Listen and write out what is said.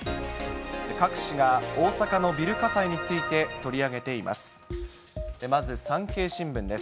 各紙が大阪のビル火災について取り上げています。